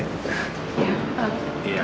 terima kasih ya